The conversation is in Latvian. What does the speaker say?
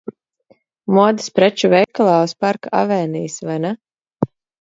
Modes preču veikalā uz Parka avēnijas, vai ne?